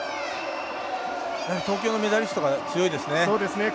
東京のメダリストが強いですね。